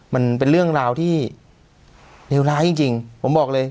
มันเป็นเรื่องราวที่เลวร้ายจริงจริงผมบอกเลย